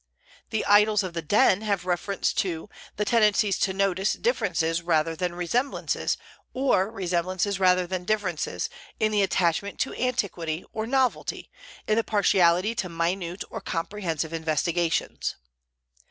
The "Idols of the Den" have reference to "the tendency to notice differences rather than resemblances, or resemblances rather than differences, in the attachment to antiquity or novelty, in the partiality to minute or comprehensive investigations."